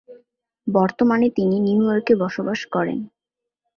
বর্তমানে তিনি নিউ ইয়র্কে বাস করেন।